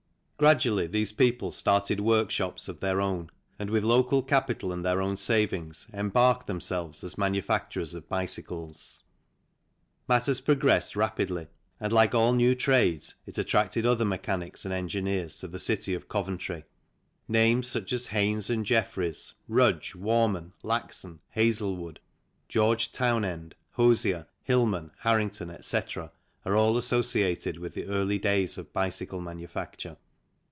Gradually these people started workshops of their own and with local capital and their own savings embarked themselves as manufacturers of bicycles. FIG. 1 ." FACILIS DESCENSUS " A boneshaker built about 1868 Matters progressed rapidly, and like all new trades it attracted other mechanics and engineers to the city of Coventry. Names such as Haynes and Jeffries, Rudge, Warman, Laxon, Hazlewood, George Townend, Hosier, Hillman, Harrington, etc., are all associated with the early days of bicycle manufacture.